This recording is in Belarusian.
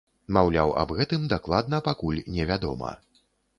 Маўляў, аб гэтым дакладна пакуль невядома.